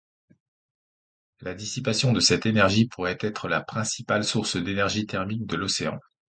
La dissipation de cette énergie pourrait être la principale source d'énergie thermique de l'océan.